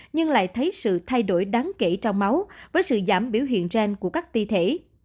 nhưng lại thấy sự thay đổi đáng kể trong máu với sự giảm biểu hiện gen của các thi thể